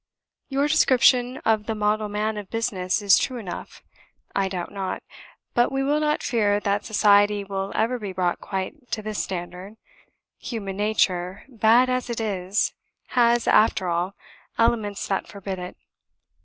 "Your description of the model man of business is true enough, I doubt not; but we will not fear that society will ever be brought quite to this standard; human nature (bad as it is) has, after all, elements that forbid it.